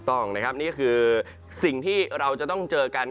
ต้องนะครับนี่คือสิ่งที่เราจะต้องเจอกัน